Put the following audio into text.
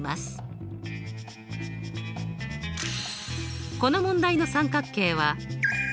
これをこの問題の三角形は∠